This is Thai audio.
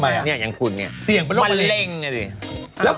เสี่ยงเป็นโรคมาเร่ง